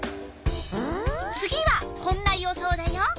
次はこんな予想だよ。